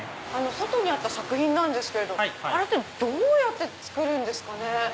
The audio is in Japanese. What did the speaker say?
外にあった作品ですけどあれってどうやって作るんですかね？